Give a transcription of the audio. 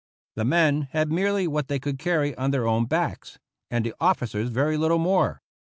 The men had merely what they could carry on their own backs, and the officers very little more.